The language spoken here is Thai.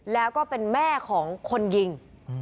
แล้วก็เป็นแม่ของคนยิง